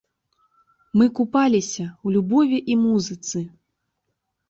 Мы купаліся ў любові і музыцы!